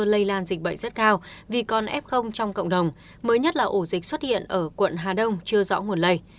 lây lan dịch bệnh rất cao vì con f trong cộng đồng mới nhất là ổ dịch xuất hiện ở quận hà đông chưa rõ nguồn lây